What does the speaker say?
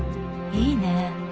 いいね。